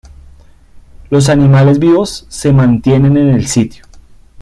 Los animales vivos se mantienen en el sitio.